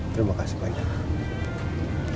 terima kasih banyak